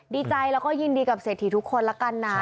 ดีใจแล้วก็ยินดีกับเศรษฐีทุกคนละกันนะ